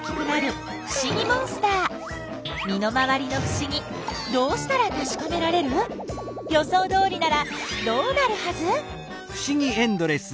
身の回りのふしぎどうしたらたしかめられる？予想どおりならどうなるはず？